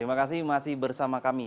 terima kasih masih bersama kami